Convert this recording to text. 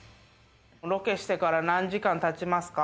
ロケしてから何時間経ちますか？